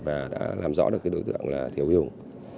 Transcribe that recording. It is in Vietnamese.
và đã làm rõ được đối tượng là thiếu huy hùng